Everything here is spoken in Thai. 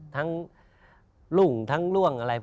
ทั้งรุ่งทั้งล่วงอะไร